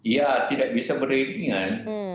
ya tidak bisa beriringan